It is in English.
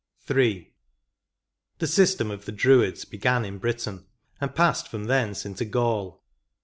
III. The system of the Druids began in Britain^ and passed from thence into Gaul.